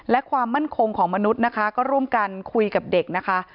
และความมั่นคงของมนุษย์นะคะก็ร่วมกันคุยกับเด็กนะคะ